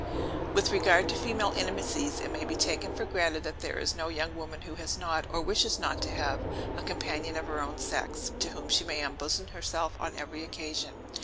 With regard to female intimacies, it may be taken for granted that there is no young woman who has not, or wishes not to have, a companion of her own sex, to whom she may unbosom herself on every occasion.